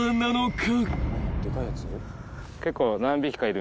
結構。